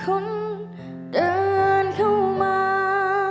ที่เดินเข้ามา